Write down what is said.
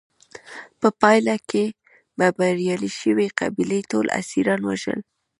په پایله کې به بریالۍ شوې قبیلې ټول اسیران وژل.